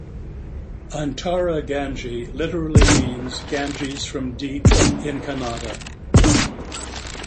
Antara Gange literally means "Ganges from deep" in Kannada.